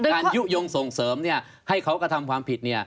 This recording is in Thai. ยุโยงส่งเสริมให้เขากระทำความผิด